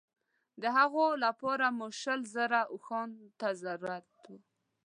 د هغوی لپاره مو شلو زرو اوښانو ته ضرورت وو.